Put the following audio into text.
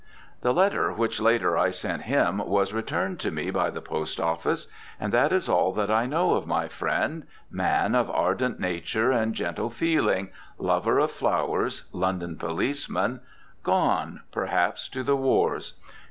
The letter which later I sent him was returned to me by the Post Office. And that is all that I know of my friend, man of ardent nature and gentle feeling, lover of flowers, London policeman, gone, perhaps, to the wars.